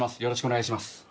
よろしくお願いします。